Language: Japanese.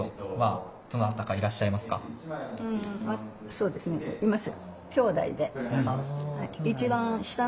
そうですねいます。